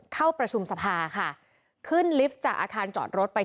เข้าประชุมสภาค่ะขึ้นลิฟต์จากอาคารจอดรถไป